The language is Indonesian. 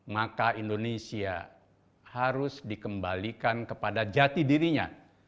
maka indonesia harus dikembalikan kepada jati dirinya